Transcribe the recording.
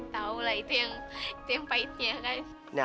tahu lah itu yang pahitnya kan